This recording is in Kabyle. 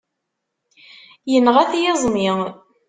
Yenɣa-t yiẓmi.